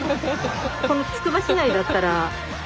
このつくば市内だったら。